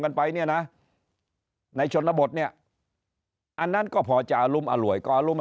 กันไปเนี่ยนะในชนบทเนี่ยอันนั้นก็พอจะอรุมอร่วยก็อรุม